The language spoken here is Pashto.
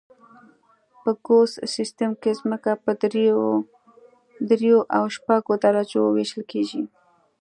په ګوس سیستم کې ځمکه په دریو او شپږو درجو ویشل کیږي